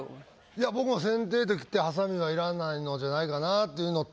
いや僕も「剪定」ときて「鋏」はいらないのじゃないかなっていうのと